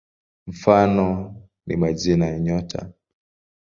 Mfano ni majina ya nyota.